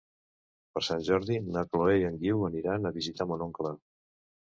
Per Sant Jordi na Chloé i en Guiu aniran a visitar mon oncle.